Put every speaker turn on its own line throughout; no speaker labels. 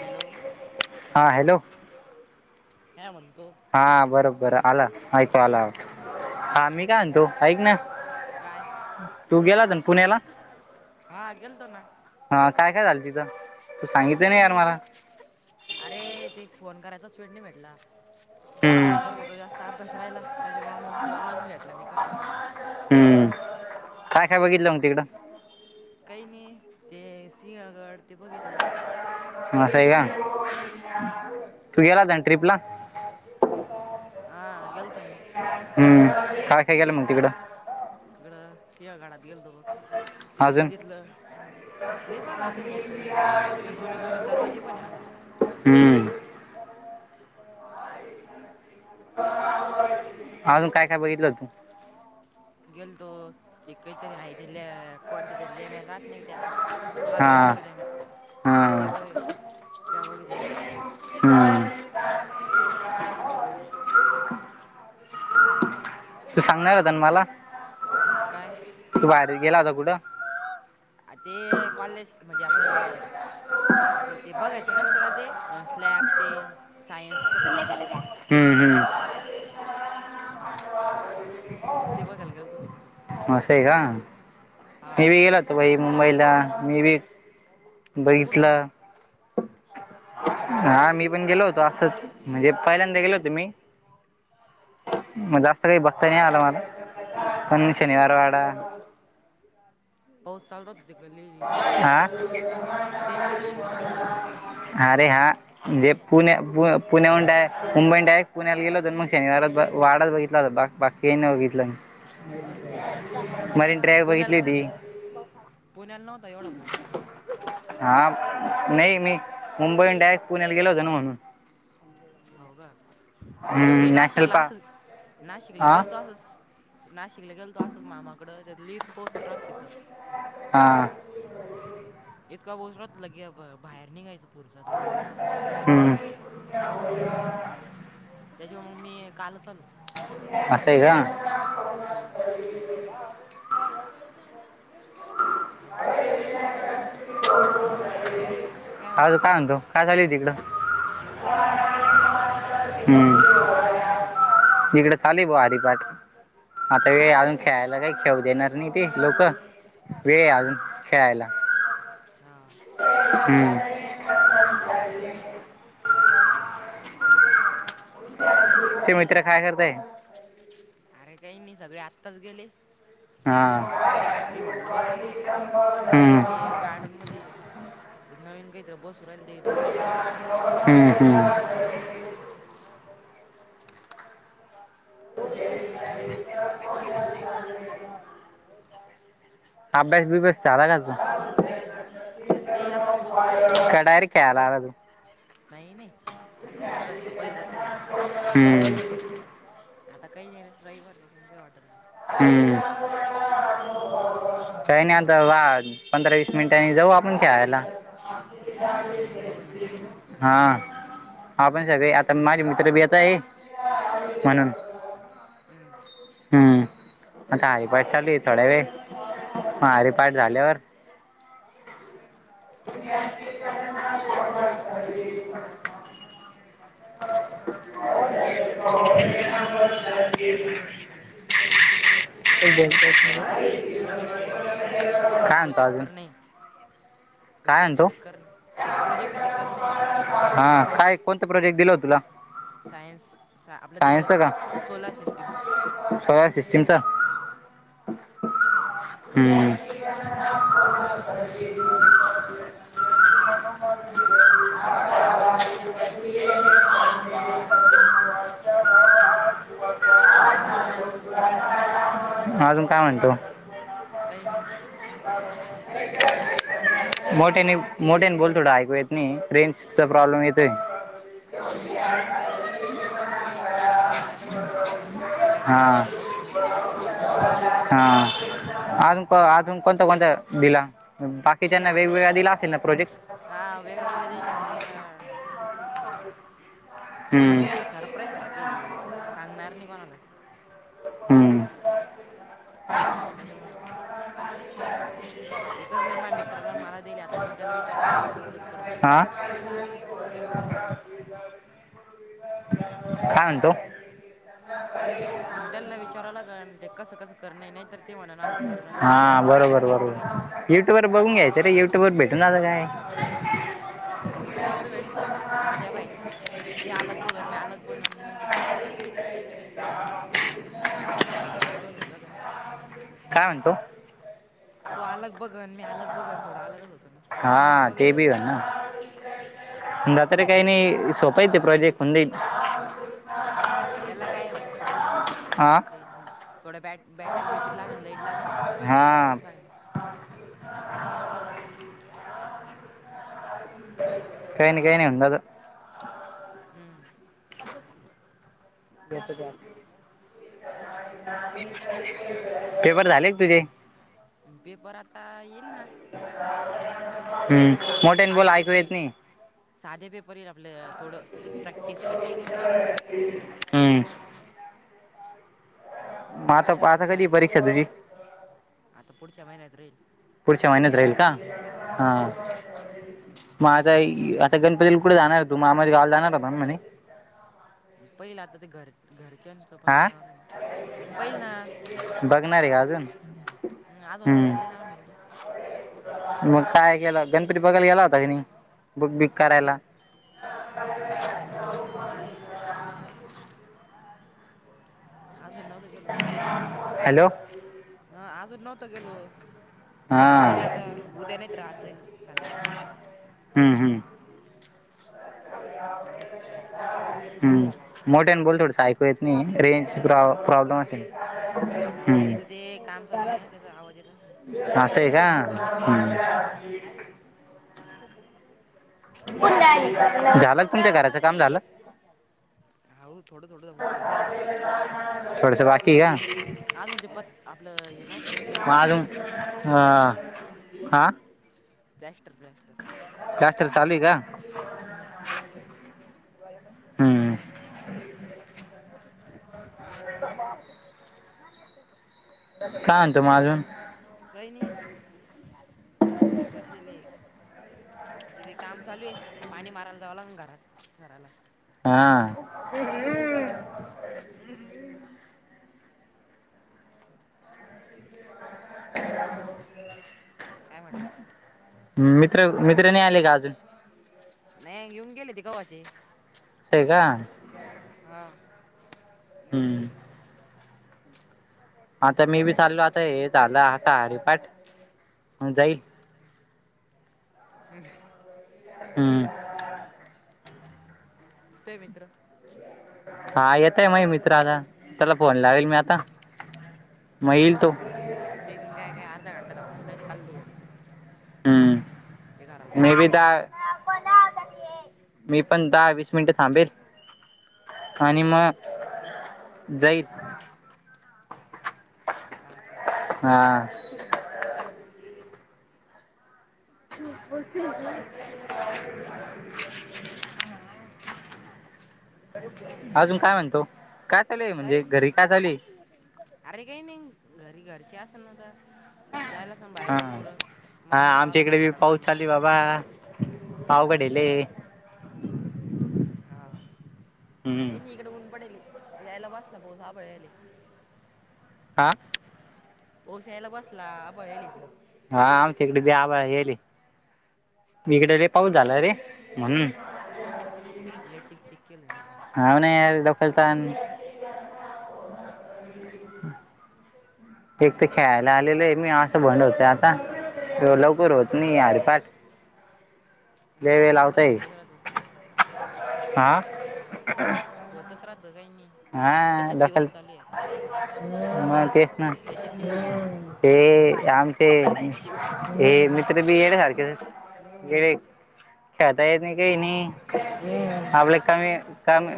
Hello
हा hello!
काय म्हणतो?
हा बरोबर आला ऐकू आला आवाज, हा मी काय म्हणतो ऐक ना!
काय?
तू गेला होता न पुण्याला?
हा गेलतो ना.
हा काय काय झालं तिथं? तू सांगितलं
काही
यार
नाही
मला
अरे ते फोन करायचाच वेट नाही भेटला.
हम्म
अभ्यास करत होतो जास्त अभ्यास राहिला त्याच्यामुळे म फोनच भेटला नाहीं करायच.
हूं काय काय बघितलं म तिकडं?
काही नाही ते सिंहगड ते बघितले.
असंय का तू गेला होता नां ट्रिप ला?
हा हा गेलथोन म.
हूं काय काय केलं म तिकडं?
तिकडं सिंहगडात गेलतो. तिथं
अजून
बघितलं लय बघाय येते लोक लगे, लयी जुने जुने दरवाजे पण आहे अजून.
हूं! अजून काय काय बघितलं होत.
गेलतो ते कहीतरी आहे ते ले कोणत्यातरी लेण्या राह त नाही त्या हा वेरूळ च्या लेण्या
हा
त्या बघ त्या बघितल्या.
हूं!
हा!
तू सांगणार होता न माला.
काय?
हो!
ते कॉलेज म्हणजे आपलं. आपलं ते बघायचं नसत का ते स्लॅब ते सायन्स कसं राहतं. ते
हम्म
बघायला गेल तो,
हम्म
ते बघायला गेल तो फक्त.
असंय का?
हा
ती बी येईल आता बाई मुंबईला, मी बी
तू कुठं गेला
बघितलं, हा मी पण गेलो होतो असंच. म्हणजे पहिल्यांदा गेलो होतो मी, मग जास्त काही बघता नाही आला मला.
[inaudible]
शनिवार वाडा
पाऊस चालू तिकडं लई डेंजर
आ?
डेंजर पाऊस राहतो तिकडं
अरे हा. म्हणजे पुणे पु पुण्याहून डाय मुंबई डायरेक्ट पुण्याला गेलो होतो न, मग शनिवार ब वाडाचं बघितला होता बाघ बा की नाही बघितलं. मरीन ड्राइव्ह बघितली होती.
पुण्याल नव्हता एवढा पाऊस?
हा नाही मी मुंबईहून डायरेक्ट पुण्याला गेलो होत ना म्हणून.
होव का? मी
हम्म, नॅशनल
नाशिकला असचं
पार्क
नाशिकला
हां
गेलतो असंच, नाशिकला गेलतो असंच मामाकडं तर लई पाऊस राहत तिथं.
हां.
इतका ओसरत लगे ब बाहेर निघायचं पुढच्या घरात.
हम्म.
त्यांच्यामुळं मी कालच आलो.
असंय का?
हम्म. [unintelligible] [unintelligible] हा. म्हण
अजून काय म्हणतो? काय चालूय तिकडं?
काही नाही आरामात.
हम्म इकडे चालूय बा हरीपाठ. आता हे
हो
अजून
का
खेळायला काही खेळू देणार नाही ते लोकं. वेळ आहे
हा
अजून
का
खेळायला.
हा.
हम्म. [inaudible] ते मित्र काय करताय?
अरे काही नाही सगळे आत्ताच गेले.
हा
मी म्हटलो बसा इथंच.
हम्म
इथं ते गा र्डन मध्ये नवीन काहीत बसू राहिले ते पाऊ राहिलो.
हम्म हम्म. [inaudible] अभ्यास बिभ्यास झाला का?
ते आता होतं
का डायरेक्ट खेळायला
कर
आला तू
नाही नाही अभ्यासत पहिला तो आहे.
हम्म
आता काही नाही रविवार आहे ना, मग काही नाही वाटत.
हम्म काय नाही आता वा पंधरा वीस मिनिटांनी जाऊ आपण खेळायला.
पाहू ना
हा आपण सगळे आ तर माझे मित्र बी येत आहे म्हणून. हम्म. आता हरिपाठ चालू आहे थोडावेळ, मग हरिपाठ झाल्यावर [inaudible]
हा का. काही नाही
[unintelligible] हो [unintelligible]
प्रोजेक्ट ते, ते वाटते ते प्रोजेक्ट करणे.
ह [inaudible] काय म्हणतो?
एक प्रोजेक्ट ते करणे आहे पूर्ण
हा काय कोणता प्रोजेक्ट दिला हो तुला?
सायन्सच आपलं ते
सायन्सचा का
सोलार सिस्टीमचं.
तिमचा. हम्म. [inaudible]
हा.
हम [inaudible] अजून काय म्हणतो?
काही नाही
[inaudible] मोठ्याने, मोठ्याने बोल थोड ऐकू येत नाही रेंजचा प्रॉब्लेम येतोय.
अरे काही घरात नव्हतन बसशले बाकी काही नाही आता घर जावं लागन ते काय
हा
प्रोजेक्टचं बघ फोन करून
हा. अजून, अजून कोणता, कोणता दिला
नाही ते
बाकीच्याना
आपले
वेगवेगळा
एक-
दिला असेल ना प्रोजेक्ट?
हा वेगळ, वेगळ दिले पण आता
हम्म
आपलं ते सरप्राईज सारखं आहे ते सांगणार नाही कोणालाच
हम्म
त्यांच्यामुळ ते कसं आहे म्या मित्राला मला देल हे आता म्हणून त्याला विचारावं लागन कस, कस करन हे काय
हा
नाही.
काय म्हणतो?
अरे वि त्यांना विचाराव लागन ते कस, कस करण हे तर ते म्हणान असं करण तस म्हणुन
हा
आपल्याला विचरून
बरोबर
घ्यायचं काही नाही.
बरोबर युट्यूबर बघून घ्यायच रे युट्यूब वर भेटून आता काय.
युट्यूब वर तर भेटतं पण आता हे पाय ते अलग बघन मी अलग बनन मग ते कस थोडं अलगच होऊन जातना.
काय म्हणतो?
तो अलग बघन, मी अलग बघन थोडा अलगच होत ना त्याच्यामुळ एक बघितल्यावर बारबर आहे.
तुला तरी काही नाही सोपंय ते प्रोजेक्ट. होऊन जाईल
हम्म, त्याला काय फक्त पुष्ट लागतेय
हा
बाकी काही नाही. थोड्या बॅट बॅट्री वेटरी लागण, लाईट लागण तिस लागण
ह [inaudible] काही नाही, काही नाही होऊन जात.
हम्म.
[inaudible] पेपर झाले का तुझे?
पेपर आता येईल ना.
हम्म,
हे सात
मोठ्यानी बोल
साधे
ऐकू
पेपर
येत
येईल
नाही.
साधे पेपर येईल आपलं थोडं प्रॅक्टिस पेपर.
हम्म. मग आता,
पाहिला तर
आता कधी हे
सायन
परीक्षा तुझी?
आता पुढच्या महिन्यात राहील
पुढच्या महिन्यात राहील का? हा. मा आता, आता गणपतीला कुठे जाणार हे तू? मामाच्या गावला जाणार होता ना म्हणे?
पहिलं आता ते घर घरच्यांचं पण
हा
मानावर आहे ना पहिल ना.
बघणार आहे का अजून
हम्म अजून तर लय
हम्म
लांबेन ते.
मग काय केेलं गणपती बघायला गेला होता क नी बघ बी
गेल नाय आजून नव्हतो गेलो. आजून नव्हतो गेलो.
हॅलो
हा आजून नव्हतं गेलो
हा
जाईल आता उद्या नाही तर आज जाईल संध्याकाळी.
हम्म हम्म. हम्म. मोठ्याने आणि बोल थोडं ऐकू येत नाहीये रेंज प्रो प्रॉब्लेम असेल.
हा
हम्म.
इथं ते काम चालू आहे ना त्याचा आवाज येत असेल.
असेय का हम्म. झालं तुमच्या घराचं काम झालं?
हाऊ हाऊ थोडं थोडं होऊ राहिलं
थोडसा बाकी का?
अजून ते पत आपलं हे राहत नाही का प्लॅस्टर ते वाकी प्लॅस्टर.
का
प्लॅस्टर प्लॅस्टर.
प्लॅस्टर चालू आहे का?
हम्म.
हम्म
[unintelligible]
[unintelligible] काय आणतोय म अजून?
काय नाही बसेले. तिथे काम चालू आहे पाणी मारायला जावं लागन घरात घराला.
हा.
[unintelligible] काय म्हटलं
मित्र मित्र नाही आले का अजून?
नाही येऊन गेली ती कवाशी.
असे हाय का?
हा.
हम्म. आता मी बी चाललो आता हे झालं आता हरिपाठ, म जाईल.
[unintelligible]
हम्म.
ते मित्र
हा येतय मये मित्राला त्याला फोन लावेल, मी आता म येईल तो.
मी पण काय-काय आर्धा घंटा थांबलो नाही तर चाललो घरी. ते घराला
हम्म
पाणी
नई वेदा
मारावं लागेल
[unintelligible] मी पण दहा-वीस मिनिटं थांबेल आणि
हा
म जाईल
हा ‌का?
हा. [unintelligible]
काय म्हणतो मग
आजून काय
अजून
म्हणतो काय चालूये म्हणजे
काही नाही.
घरीकाय चालूये?
अरे काही नाही घरी घरचे असन न आता. जायला सांग बाहेर
हा
नाही कुड माला जाव लागन घराला पाणी मारयला.
वा. आवघड आहे लय.
आ,
हम्म
कयी, नयी इकडे ऊन पडेल हे यायला बसला पाऊस आभाळ यायेल हे.
हा.
पाऊस यायला बसला आभाळ येल हे इकड.
हा आमच्याइकडं बी आबाळ येले हे इकडे लई पाऊस झाला रे. म्हणून.
लय चिक, चिक केलय.
हाव ना यार डोक्याला ताण.
[inaudible]
[inaudible] एक तर खेळायला आलेलोय मी अस भंडवतय आता हे लवकर होत नाही यार बा
काही नायी आता होतच राहात.
आ.
होतच राहतं कायी, नायी.
हा दखल म तेचना
त्याचे दिवस हम्म.
ते आम‌ ‌ ते, ते मित्र बी येड्यासारखेच हेत येडे खेळता येत नायी कायी, नायी आपल कमी काम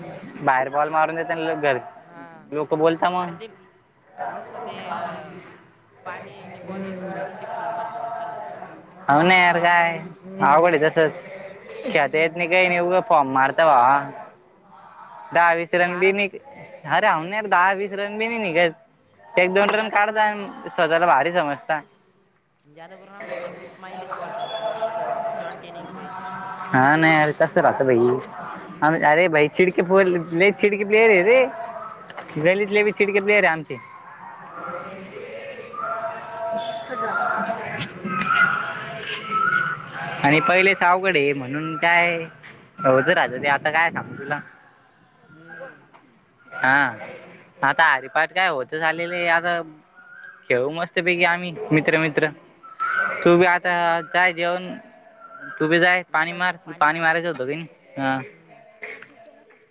बाहेर बॉल मारून येतोना लगे घरी लोक बो
आरे ती, नोसते अ पाणी अणि बॉल यौजुने चिक्कल मंदी बॉल चालल्या जातो.
हाव ना यार काय आवघड तसं खेळता येत नाही काय नाही उगा फॉम मारता भावा. दहा-वीस
ते
रन बी
वारा
निघ अरे हव ना यार दहा, वीस रन बी नाही निघत. ते एक, दोन
आणि
रन
ज्यादा करून
काढता.
आम
अन स्वताला भारी समजता.
जादा करून आमच्या इकडं स्माइलीच बॉल चालता जास्त जॉनटिनींगयीन.
हा ना यार तस राहतं भई
माझ्या
आम अरे भाई चिडके पोर लय चिडकी प्लेयर रे, गलितले बी चिडके प्लेयर आहे आम ते. [unintelligible] च्छ जा. [inaudible] आणि पयलेच आवगड ये म्हणून काय ओझ राहत ते आता काय सांगू तुला.
हम्म.
हा आता हरिपाट काय होतच आलेले आहे आता ठेवु मस्त मस्त पैकी आम्ही मित्र, मित्र तू बी आता
काही नाही
काय जेवण तू बी जाय
नाही
पाणी
आता
मार पाणी
मारायला
मारायचं होतं का नाही? हा.
तुला की केलं का